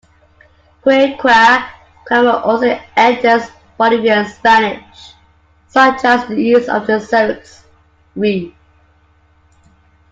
Quechua grammar also enters Bolivian Spanish, such as the use of the suffix -ri.